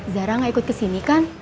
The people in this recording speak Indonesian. zara nggak ikut kesini kan